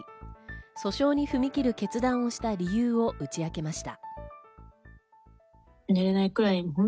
訴訟に踏み切る決断をした理由を打ち明けました。